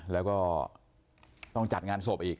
แล้วก็ต้องจัดงานศพอีก